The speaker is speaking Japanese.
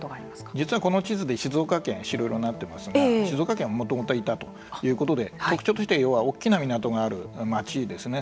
実はこの地図で静岡県白色になっていますが静岡県はもともといたということで特徴としては要は大きな港がある町ですね。